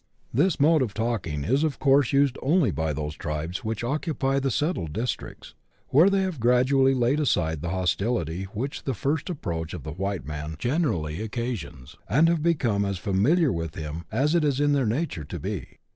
This mode of talking is of course used only NATIVE WEAPONS. 109 by those tribes which occupy the settled districts, where they have gradually laid aside the hostility which the first approach of the white man generally occasions, and have become as familiar with him as it is in their nature to be.